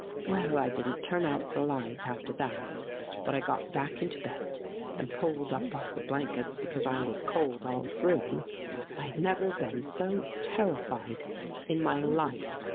" Well, I didn't turn out the light after that, but I got back into bed and pulled up all the blankets, because I was cold all through. I had never been so terrified in my life.